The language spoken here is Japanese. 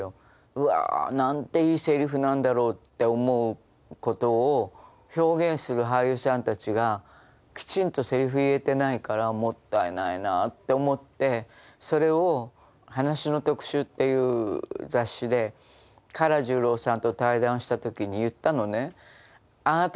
うわ何ていいセリフなんだろうって思うことを表現する俳優さんたちがきちんとセリフ言えてないからもったいないなって思ってそれを「話の特集」っていう雑誌で唐十郎さんと対談した時に言ったのね。